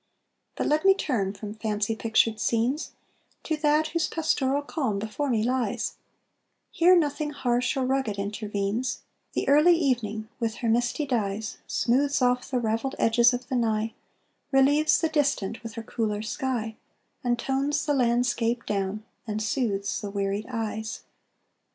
But let me turn from fancy pictured scenes To that whose pastoral calm before me lies: Here nothing harsh or rugged intervenes; The early evening with her misty dyes Smooths off the ravelled edges of the nigh, Relieves the distant with her cooler sky, And tones the landscape down, and soothes the wearied eyes.